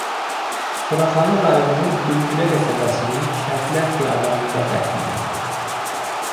Suraxanı rayonu Bülbülə qəsəbəsinin Şəhidlər Xiyabanında dəfn olunub.